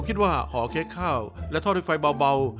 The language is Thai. ผมคิดว่าหอเค้กข้าวและทอดด้วยไฟเบา